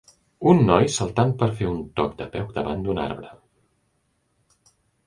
Un noi saltant per fer un toc de peu davant d'un arbre.